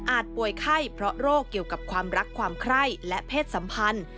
ป่วยไข้เพราะโรคเกี่ยวกับความรักความไคร้และเพศสัมพันธ์